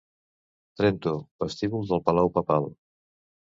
Trento, vestíbul del palau papal.